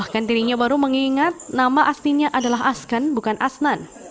dan dirinya baru mengingat nama aslinya adalah askan bukan asnan